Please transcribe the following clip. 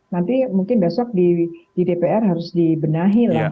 nanti mungkin besok di dpr harus dibenahi lah